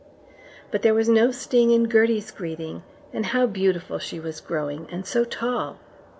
But there was no sting in Gertie's greeting, and how beautiful she was growing, and so tall!